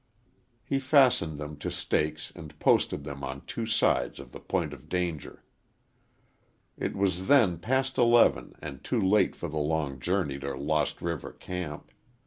He fastened them to stakes and posted them on two sides of the point of danger. It was then past eleven and too late for the long journey to Lost River camp.